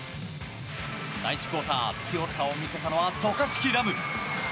第１クオーター強さを見せたのは渡嘉敷来夢。